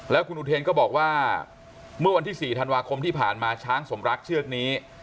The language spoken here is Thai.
แล้วคุณอุเทนก็บอกว่าเมื่อวันที่๔ธันวาคมที่ผ่านมาช้างสมรักเชือกนี้